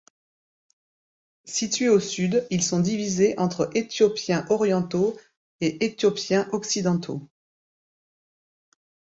Situés au sud ils sont divisés entre Éthiopiens orientaux et Éthiopiens occidentaux.